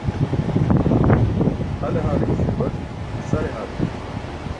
Hale haale ke śarbat, sare haale ke śarbat.